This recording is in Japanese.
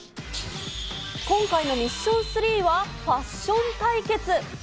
今回のミッション３は、ファッション対決。